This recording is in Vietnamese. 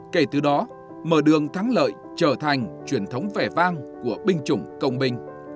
kể từ đó mở đường thắng lợi trở thành truyền thống vẻ vang của binh chủng công binh